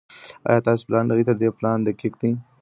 ايا ستاسي پلان تر دې پلان دقيق دی؟